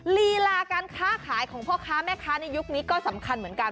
ลีลาการค้าขายของพ่อค้าแม่ค้าในยุคนี้ก็สำคัญเหมือนกัน